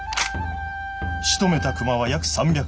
しとめた熊は約３００頭。